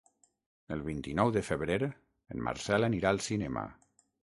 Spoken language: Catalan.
El vint-i-nou de febrer en Marcel anirà al cinema.